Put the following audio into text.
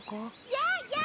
・やあやあ！